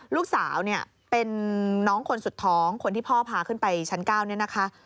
ลูกสาวเนี่ยเป็นน้องคนสุดท้องคนที่พ่อพาขึ้นไปชั้น๙เนี่ยนะคะ